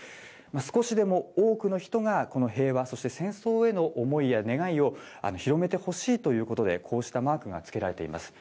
少しでも多くの人がこの平和、そして戦争への思いや願いを広めてほしいということで、こうしたマークがつけられています。